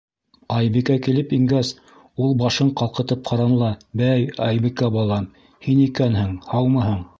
Айбикә килеп ингәс, ул башын ҡалҡытып ҡараны ла: - Бәй, Айбикә балам, һин икәнһең, һаумыһың?